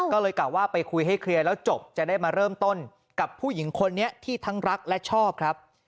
ก็เลยกล่าวว่าไปคุยให้เคลียร์แล้วจบจะได้มาเริ่มต้นกับผู้หญิงคนนี้ที่ทั้งรักและชอบครับ